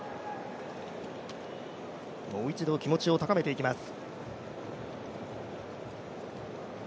もう一度、気持ちを高めていきます